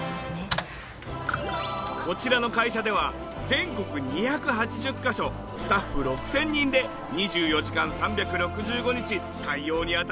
こちらの会社では全国２８０カ所スタッフ６０００人で２４時間３６５日対応にあたっているんだ。